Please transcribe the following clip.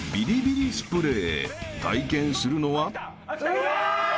［体験するのは］